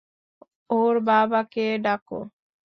ওর বাবাকে ডাক।